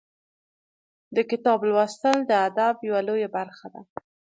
د کتاب لوستل د ادب یوه لویه برخه ده.